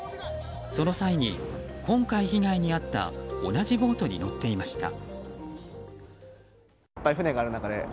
その際に今回、被害に遭った同じボートに乗っていました。